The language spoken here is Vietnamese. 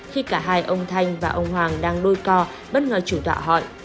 khi cả hai ông thanh và ông hoàng đang đôi co bất ngờ chủ tọa hỏi